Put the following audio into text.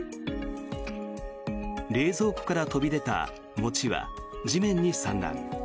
冷蔵庫から飛び出た餅は地面に散乱。